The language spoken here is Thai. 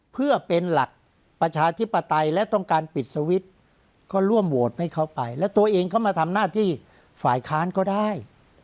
เพื่อเป็นหลักประชาธิปไตยและต้องการปิดสวิตช์ก็ร่วมโหวตให้เขาไปและตัวเองเข้ามาทำหน้าที่ฝ่ายค้านก็ได้